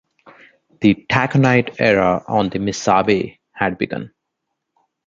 The taconite era on the Missabe had begun.